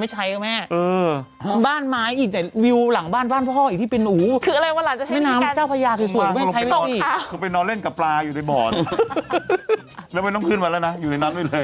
ไม่ใช่ฟั้งนี่อ่าคุณไปนอนเล่นกับปลาอยู่ในบ่อนแล้วไม่ต้องขึ้นมาแล้วนะอยู่ในนั้นดีเลย